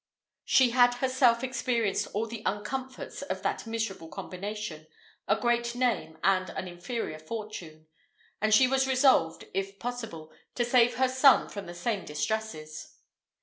She had herself experienced all the uncomforts of that miserable combination, a great name and an inferior fortune; and she was resolved, if possible, to save her son from the same distresses.